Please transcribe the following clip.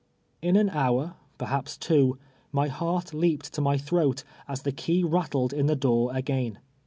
In an hour, perhaps two, my heart leaped to my thi"i>at, as the key rattled in the door again.